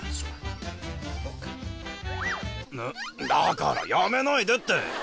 だからやめないでって！